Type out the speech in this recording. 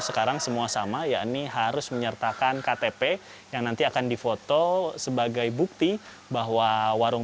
sekarang semua sama yakni harus menyertakan ktp yang nanti akan difoto sebagai bukti bahwa warung